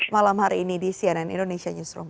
malam hari ini di cnn indonesia newsroom